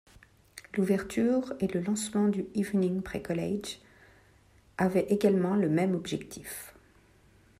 L'ouverture et le lancement du Evening Pre-College avaient également le même objectif.